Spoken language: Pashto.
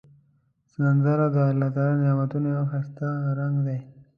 سندره د الله د نعمتونو یو ښایسته رنگ دی